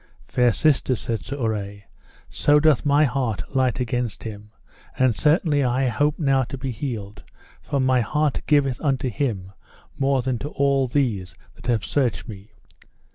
Fair sister, said Sir Urre, so doth my heart light against him, and certainly I hope now to be healed, for my heart giveth unto him more than to all these that have searched me.